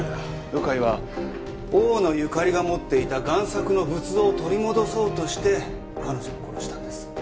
鵜飼は大野ゆかりが持っていた贋作の仏像を取り戻そうとして彼女を殺したんです。